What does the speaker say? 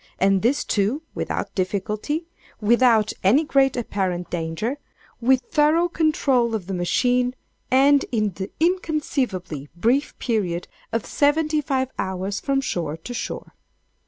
_ and this too without difficulty—without any great apparent danger—with thorough control of the machine—and in the inconceivably brief period of seventy five hours from shore to shore!